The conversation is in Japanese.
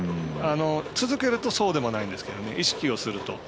続けるとそうではないんですけど意識をすると。